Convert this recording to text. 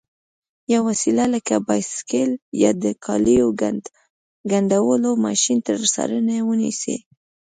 یوه وسیله لکه بایسکل یا د کالیو ګنډلو ماشین تر څارنې لاندې ونیسئ.